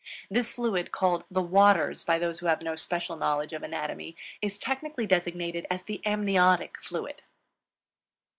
This fluid, called "The Waters" by those who have no special knowledge of anatomy, is technically designated as the Amniotic Fluid.